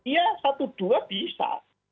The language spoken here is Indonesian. ya satu dua bisa